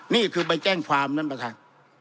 นี่คือไปแจ้งความนั้นแหละครับ